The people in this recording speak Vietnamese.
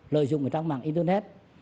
lợi dụng trang mạng internet